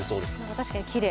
確かにきれい。